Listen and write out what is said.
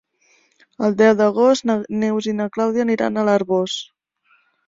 El deu d'agost na Neus i na Clàudia aniran a l'Arboç.